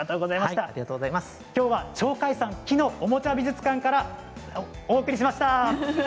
きょうは鳥海山木のおもちゃ美術館からお送りしました。